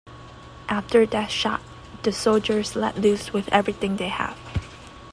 After that shot, the soldiers let loose with everything they had.